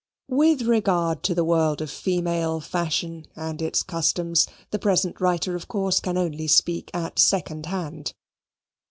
With regard to the world of female fashion and its customs, the present writer of course can only speak at second hand.